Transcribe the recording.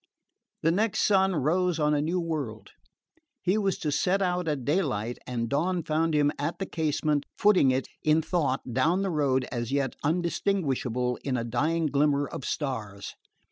The next sun rose on a new world. He was to set out at daylight, and dawn found him at the casement, footing it in thought down the road as yet undistinguishable in a dying glimmer of stars.